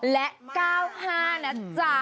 และ๙๕นะจ๊ะ